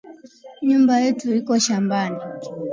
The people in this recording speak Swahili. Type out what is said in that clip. Nyumba yetu iko shambani